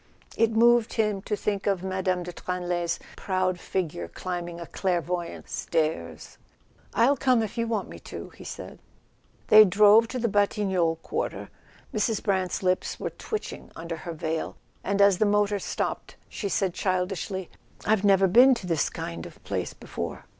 It moved him to think of Mme. de Tranlay's proud figure climbing a clairvoyantss stairs. "I'll come if you want me to," he said. They drove to the Batignolles quarter. Mrs. Brant's lips were twitching under her veil, and as the motor stopped she said childishly: "I've never been to this kind of place before."